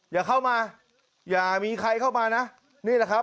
อย่าเข้ามาอย่ามีใครเข้ามานะนี่แหละครับ